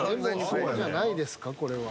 そうじゃないですかこれは。